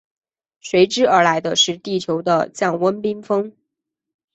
随之而来的是地球的降温冰封。